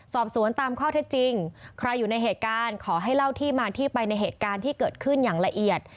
สอบสวนตามข้อเท็จจริงใครอยู่ในเหตุการณ์ขอให้เล่าที่มาที่ไปในเหตุการณ์ที่เกิดขึ้นอย่างละเอียด